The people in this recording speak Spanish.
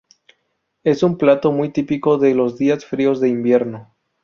Es un plato muy típico de los días fríos de invierno.